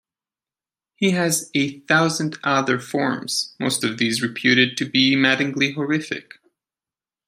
He has "a thousand" other forms, most of these reputed to be maddeningly horrific.